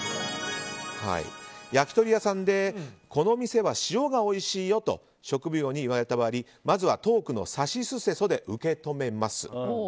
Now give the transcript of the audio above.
焼き鳥屋さんでこの店は塩がおいしいよと食奉行に言われた場合まずはトークの「さしすせそ」で受け止めます。